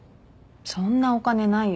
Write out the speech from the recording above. そんなお金ないよ。